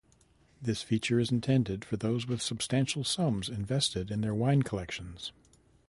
This feature is intended for those with substantial sums invested in their wine collections.